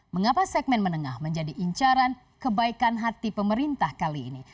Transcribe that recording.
mengapa segmen menengah menjadi incaran kebaikan hati pemerintah kali ini